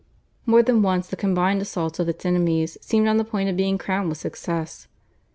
More than once the combined assaults of its enemies seemed on the point of being crowned with success.